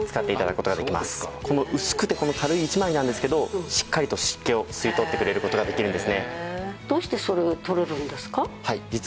この薄くてこの軽い１枚なんですけどしっかりと湿気を吸い取ってくれる事ができるんですね。